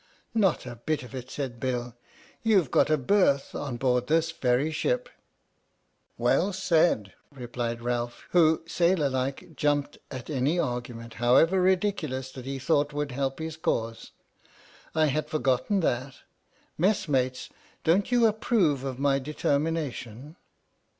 " Not a bit of it," said Bill, "you've got a berth on board this very ship !"" Well said," replied Ralph, who, sailor like, 54 H.M.S. "PINAFORE" jumped at any argument, however ridiculous, that he thought would help his case, " I had forgotten that. Messmates, don't you approve my determin ation?